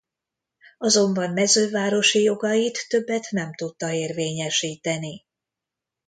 Azonban mezővárosi jogait többet nem tudta érvényesíteni.